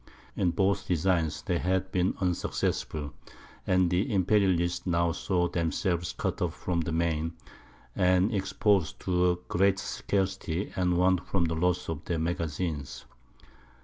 In both designs they had been unsuccessful; and the Imperialists now saw themselves cut off from the Maine, and exposed to great scarcity and want from the loss of their magazines.